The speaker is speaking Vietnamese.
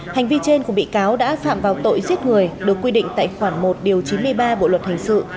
hành vi trên của bị cáo đã phạm vào tội giết người được quy định tại khoảng một chín mươi ba bộ luật hành sự